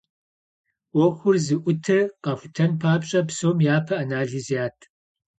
Ӏуэхур зыӏутыр къахутэн папщӏэ, псом япэ анализ ят.